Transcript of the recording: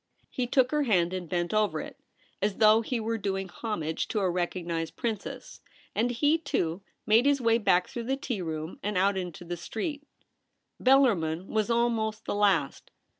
He took her hand and bent over it, as though he were doing homage to a recognised princess, and he, too, made his way back through the tea room and out into the street. Bellarmin w^as almost the last.